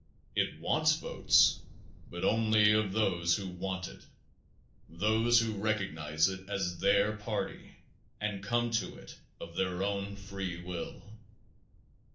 It wants votes, but only of those who want it those who recognize it as their party and come to it of their own free will.